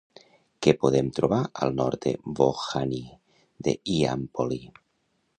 Què podem trobar al nord de Vogdháni de Hiàmpoli?